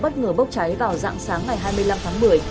bất ngờ bốc cháy vào dạng sáng ngày hai mươi năm tháng một mươi